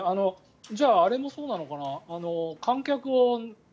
じゃあ、あれもそうなのかな。